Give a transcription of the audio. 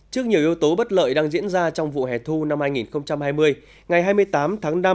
trước nhiều yếu tố bất lợi đang diễn ra trong vụ hẻ thu năm hai nghìn hai mươi ngày hai mươi tám tháng năm